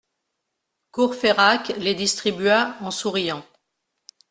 Courfeyrac les distribua en souriant.